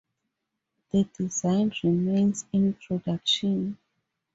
The design remains in production.